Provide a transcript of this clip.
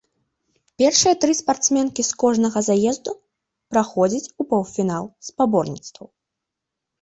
Першыя тры спартсменкі з кожнага заезду праходзяць у паўфінал спаборніцтваў.